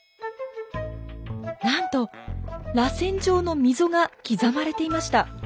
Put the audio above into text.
なんとらせん状の溝が刻まれていました。